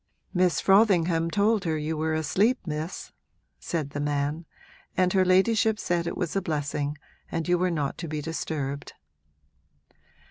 'Miss Frothingham told her you were asleep, Miss,' said the man, 'and her ladyship said it was a blessing and you were not to be disturbed.'